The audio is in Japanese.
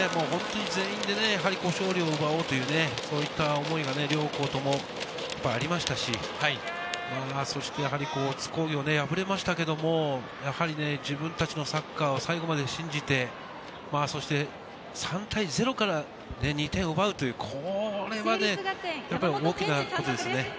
全員で勝利を奪おうという、そういった思いが両校ともありましたし、津工業敗れましたけども、自分たちのサッカーを最後まで信じて３対０から２点を奪うという、これはね、大きなことですね。